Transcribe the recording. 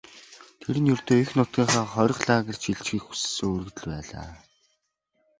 Тэр нь ердөө эх нутгийнхаа хорих лагерьт шилжихийг хүссэн өргөдөл байлаа.